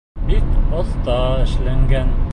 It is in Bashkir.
Бик оҫта эшләнгән.